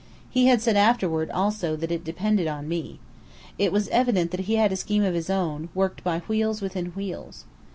He had said afterward, also, that it depended on me. It was evident that he had a scheme of his own, worked by wheels within wheels.